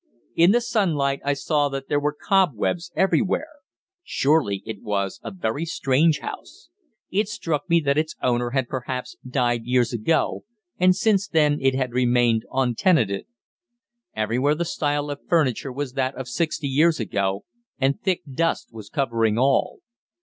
In the sunlight, I saw that there were cobwebs everywhere. Surely it was a very strange house. It struck me that its owner had perhaps died years ago, and since then it had remained untenanted. Everywhere the style of furniture was that of sixty years ago, and thick dust was covering all.